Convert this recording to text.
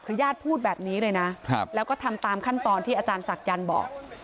คือญาติพูดแบบนี้เลยนะแล้วก็ทำตามขั้นตอนที่อาจารย์ศักยันต์บอก